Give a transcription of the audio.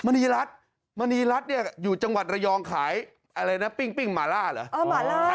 มะนีลัดมะนีลัดเนี่ยอยู่จังหวัดเรียองขายอะไรนะปิ้งหมาล่าเหรอ